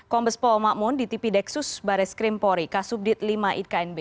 kombes paul mamun di tv dexus baris krimpori kasubdit lima itknb